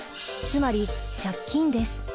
つまり借金です。